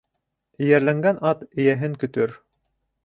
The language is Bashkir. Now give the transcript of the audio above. Эйәрләнгән ат эйәһен көтөр.